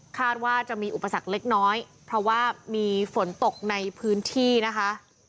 คาดว่าจะมีอุปสรรคเล็กน้อยเพราะว่ามีฝนตกในพื้นที่นะคะ